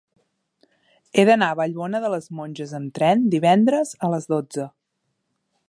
He d'anar a Vallbona de les Monges amb tren divendres a les dotze.